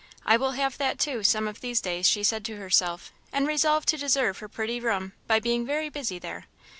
"I will have that, too, some of these days," she said to herself; and resolved to deserve her pretty room by being very busy there.